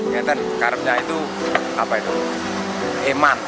lihat kan karbnya itu apa itu eman